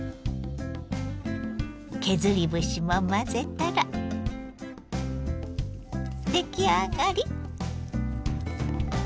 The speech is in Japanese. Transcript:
削り節も混ぜたら出来上がり。